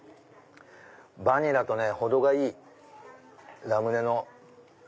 バニラと程がいいラムネの。